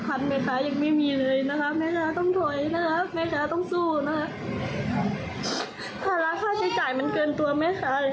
ต้องถอยนะคะแม่ค้าต้องสู้นะคะธาระคาใช้จ่ายมันเกินตัวแม่ค้า